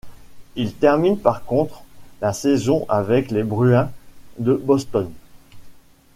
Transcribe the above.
Il termine par contre la saison avec les Bruins de Boston.